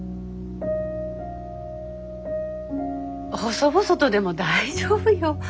細々とでも大丈夫よ。